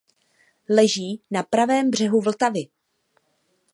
Leží na pravém břehu Vltavy.